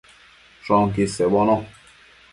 Shoquid sebono